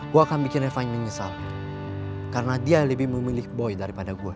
gue akan bikin e fine menyesal karena dia lebih memilih boy daripada gue